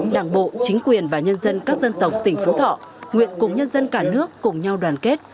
đảng bộ chính quyền và nhân dân các dân tộc tỉnh phú thọ nguyện cùng nhân dân cả nước cùng nhau đoàn kết